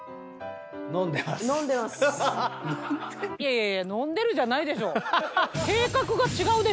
いやいや「飲んでる」じゃないでしょう。